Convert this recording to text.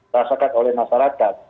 rasakan oleh masyarakat